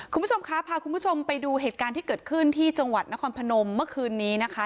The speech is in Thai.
คุณผู้ชมคะพาคุณผู้ชมไปดูเหตุการณ์ที่เกิดขึ้นที่จังหวัดนครพนมเมื่อคืนนี้นะคะ